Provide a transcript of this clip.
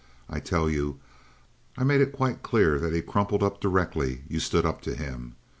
I tell you, I made it quite clear that he crumpled up directly you stood up to him.